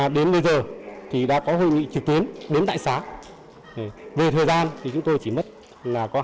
được nghe từ cơ sở trực tiếp đến tận trung ương